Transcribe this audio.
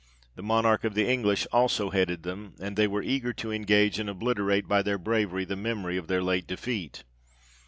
The Monarch of the English also headed them, and they were eager to engage, and obliterate by their bravery the memory of their late defeat.